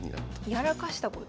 やらかしたこと？